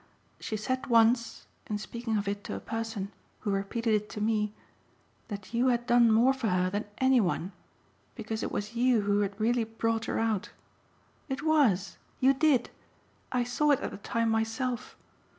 She said once, in speaking of it to a person who repeated it to me, that you had done more for her than any one, because it was you who had really brought her out. It WAS. You did. I saw it at the time myself.